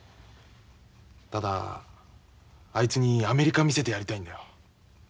ただあいつにアメリカ見せてやりたいんだよ。